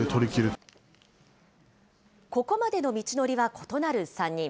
ここまでの道のりは異なる３人。